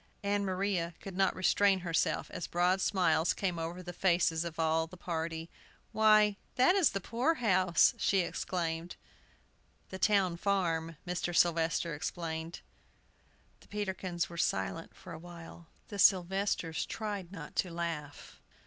Ann Maria could not restrain herself, as broad smiles came over the faces of all the party. "Why, that is the Poor house!" she exclaimed. "The town farm," Mr. Sylvester explained, deprecatingly. The Peterkins were silent for a while. The Sylvesters tried not to laugh.